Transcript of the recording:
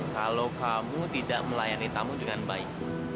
kalau kamu tidak melayani tamu dengan baik